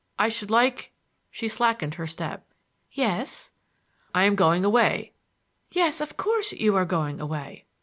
I should like—" She slackened her step. "Yes." "I am going away." "Yes; of course; you are going away."